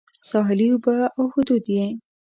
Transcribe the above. ساحلي اوبه او حدود یې